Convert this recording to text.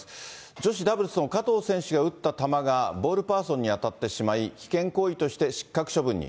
女子ダブルスの加藤選手が打った球がボールパーソンに当たってしまい、危険行為として失格処分に。